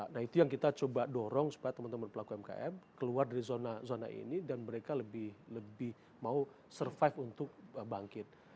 nah itu yang kita coba dorong supaya teman teman pelaku umkm keluar dari zona zona ini dan mereka lebih mau survive untuk bangkit